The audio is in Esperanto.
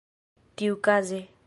tiukaze